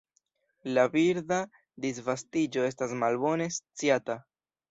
La birda disvastiĝo estas malbone sciata.